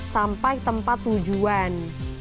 sampai tempat tujuan